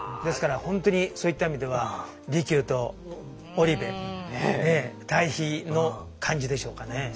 ですから本当にそういった意味では利休と織部対比の感じでしょうかね。